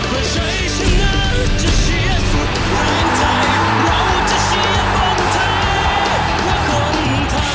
เพื่อนไทยเราจะเชียร์คนไทยเพราะคนไทย